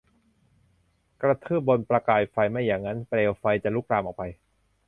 กระทืบบนประกายไฟ ไม่อย่างนั้นเปลวไฟจะลุกลามออกไป